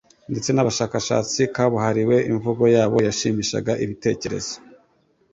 ndetse n'abashakashatsi kabuhariwe, imvugo yabo yashimishaga ibitekerezo